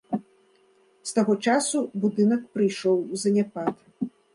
З таго часу будынак прыйшоў у заняпад.